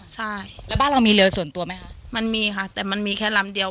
ใช่แล้วบ้านเรามีเรือส่วนตัวไหมคะมันมีค่ะแต่มันมีแค่ลำเดียว